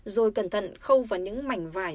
rồi cẩn thận khâu vào những mảnh vải